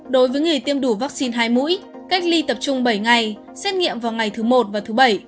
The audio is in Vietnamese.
đối với người tiêm đủ vaccine hai mũi cách ly tập trung bảy ngày xét nghiệm vào ngày thứ một và thứ bảy